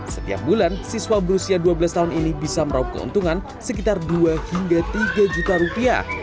setiap bulan siswa berusia dua belas tahun ini bisa meraup keuntungan sekitar rp dua tiga